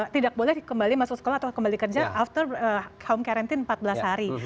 tidak boleh kembali masuk sekolah atau kembali kerja after home karantina empat belas hari